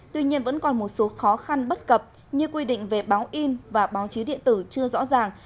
tuy nhiên vẫn còn một số khó khăn bất cập như quy định về báo in và báo chí điện tử chưa rõ ràng